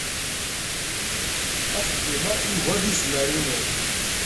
Axeddim-a yugar tizemmar-inu.